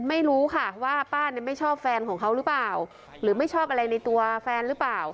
ไม่รู้ค่ะว่าป้าเนี่ยไม่ชอบแฟนของเขาหรือเปล่าหรือไม่ชอบอะไรในตัวแฟนหรือเปล่า